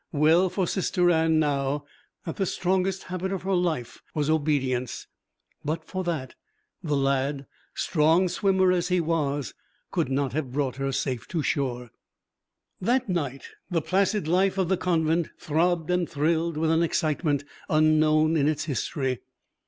Well for Sister Anne now that the strongest habit of her life was obedience. But for that, the lad, strong swimmer as he was, could not have brought her safe to shore. That night the placid life of the convent throbbed and thrilled with an excitement unknown in its history.